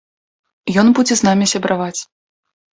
Ён будзе з намі сябраваць.